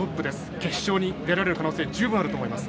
決勝に出られる可能性は十分あると思います。